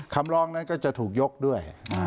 คำร้องนั้นก็จะถูกยกด้วย